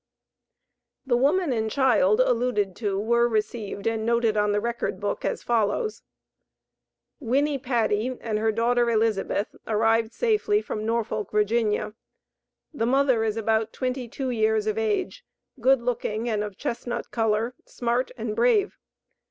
The woman and child alluded to were received and noted on the record book as follows: Winnie Patty, and her daughter, Elizabeth, arrived safely from Norfolk, Va. The mother is about twenty two years of age, good looking and of chestnut color, smart and brave.